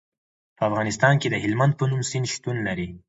په افغانستان کې د هلمند په نوم سیند شتون لري.